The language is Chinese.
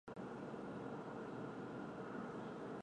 土壤属上沙溪庙组的灰棕紫泥土。